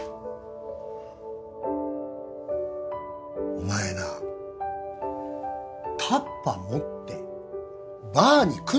お前なタッパー持ってバーに来んなよ。